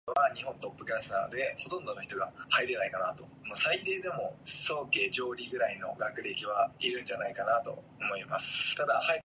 When he wishes to produce rain he plunges the stones in water.